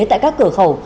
tại các cửa khẩu